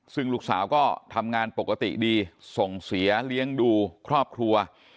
ซึ่งลูกสาวก็ทำงานปกติดีส่งเสียเลี้ยงดูครอบครัว